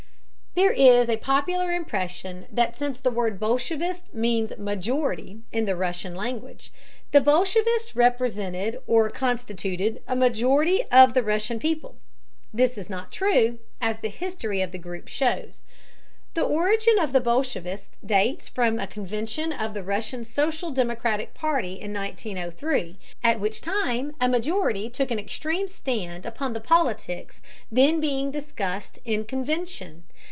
There is a popular impression that since the word bolshevist means "majority" in the Russian language, the bolshevists represented or constituted a majority of the Russian people. This is not true, as the history of the group shows. The origin of the bolshevists dates from a convention of the Russian Social Democratic party in 1903, at which time a majority (bolshinstvˇ) took an extreme stand upon the policies then being discussed in convention.